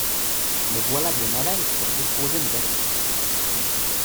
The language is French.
Me voilà bien à l'aise pour disposer nos batteries.